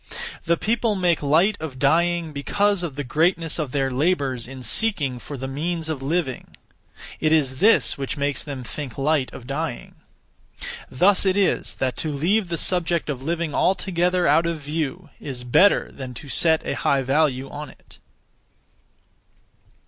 The people make light of dying because of the greatness of their labours in seeking for the means of living. It is this which makes them think light of dying. Thus it is that to leave the subject of living altogether out of view is better than to set a high value on it.